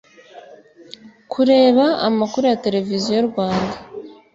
kureba amakuru ya Televiziyo Rwanda,